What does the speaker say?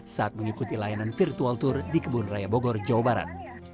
saat mengikuti layanan virtual tour di kebun raya bogor jawa barat